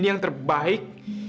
ini yang terbaik